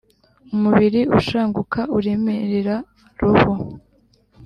Umubiri ushanguka uremerera roho,